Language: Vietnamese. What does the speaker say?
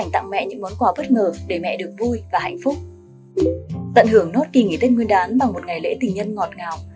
tận hưởng nốt kỳ nghỉ tết nguyên đán bằng một ngày lễ tình nhân ngọt ngào